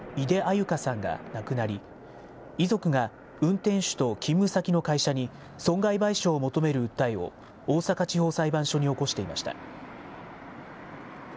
優香さんが亡くなり、遺族が運転手と勤務先の会社に損害賠償を求める訴えを、大阪地方裁判所に起こしていました。